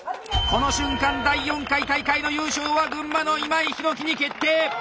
この瞬間第４回大会の優勝は群馬の今井陽樹に決定！